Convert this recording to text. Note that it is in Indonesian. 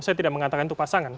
saya tidak mengatakan itu pasangan